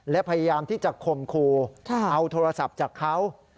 และพยายามที่จะข่มครูเอาโทรศัพท์จากเขา